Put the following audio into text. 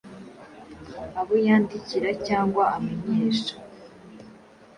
Abo yandikira cyangwa amenyesha